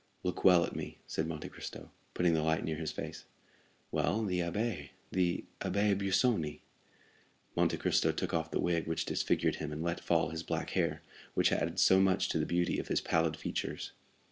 "Look well at me!" said Monte Cristo, putting the light near his face. "Well, the abbé—the Abbé Busoni." Monte Cristo took off the wig which disfigured him, and let fall his black hair, which added so much to the beauty of his pallid features.